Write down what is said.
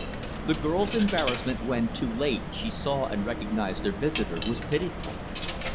The girl's embarrassment, when, too late, she saw and recognized their visitor, was pitiful.